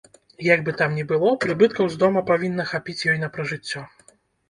Як бы там ні было, прыбыткаў з дома павінна хапіць ёй на пражыццё.